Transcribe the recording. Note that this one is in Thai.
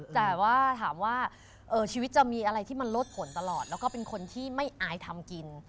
แต่ว่าถามว่าชีวิตจะมีอะไรที่มันลดผลตลอดแล้วก็เป็นคนที่ไม่อายทำกิน